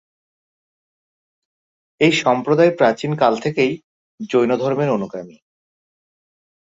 এই সম্প্রদায় প্রাচীন কাল থেকেই জৈনধর্মের অনুগামী।